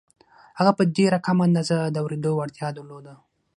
هغه په ډېره کمه اندازه د اورېدو وړتيا درلوده.